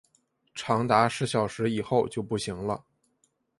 长达十小时以后就不行了